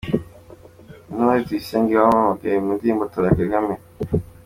Intore Tuyisenge wamamaye mu ndirimbo 'Tora Kagame'.